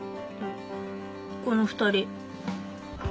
この２人。